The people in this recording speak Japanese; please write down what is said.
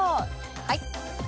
はい。